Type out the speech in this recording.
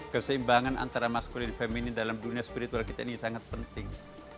keseimbangan antara maskul dan feminin dalam dunia spiritual kita ini sangat penting